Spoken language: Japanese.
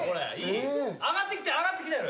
上がってきてる上がってきてる！